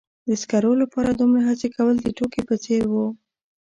د سکرو لپاره دومره هڅې کول د ټوکې په څیر و.